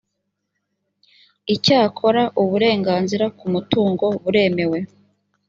icyakora uburenganzira ku mutungo buremewe